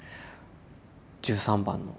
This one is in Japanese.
１３番の。